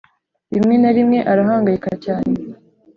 rimwe na rimwe arahangayika cyane,